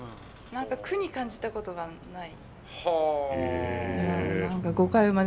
何か苦に感じたことがない。